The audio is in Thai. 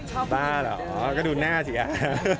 ฮะบ้าเหรอก็ดูหน้าสิค่ะฮ่า